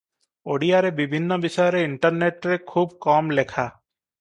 ଓଡ଼ିଆରେ ବିଭିନ୍ନ ବିଷୟରେ ଇଣ୍ଟରନେଟରେ ଖୁବ କମ ଲେଖା ।